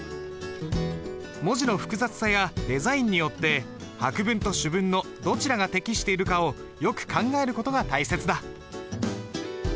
文字の複雑さやデザインによって白文と朱文のどちらが適しているかをよく考える事が大切だ。